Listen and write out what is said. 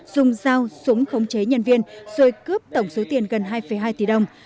dùng dao súng khống chế nhân viên rồi cướp tổng số tiền gần hai hai tỷ đồng